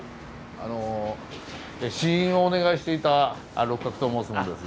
あの試飲をお願いしていた六角と申す者です。